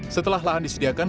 setelah lahan disediakan